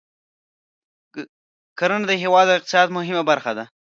کرنه د هېواد د اقتصاد مهمه برخه ده.